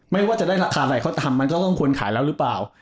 ไม่ว่าจะได้ราคาอะไรเขาทำมันก็ต้องควรขายแล้วหรือเปล่า